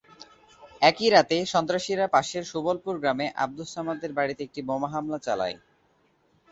একই রাতে সন্ত্রাসীরা পাশের সুবলপুর গ্রামে আবদুস সামাদের বাড়িতে একটি বোমা হামলা চালায়।